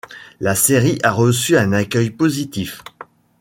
La série a reçu un accueil positif.